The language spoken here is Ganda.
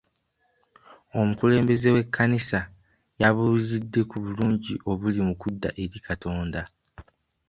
Omululembeze w'ekkanisa yabuuliridde ku bulungi obuli mu kudda eri Katonda.